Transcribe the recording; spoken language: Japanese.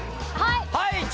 はい！